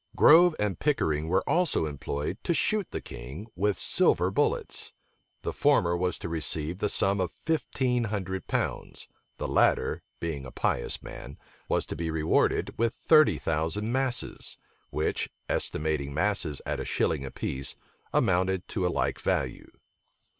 Grove and Pickering were also employed to shoot the king with silver bullets: the former was to receive the sum of fifteen hundred pounds; the latter, being a pious man, was to be rewarded with thirty thousand masses, which, estimating masses at a shilling apiece, amounted to a like value.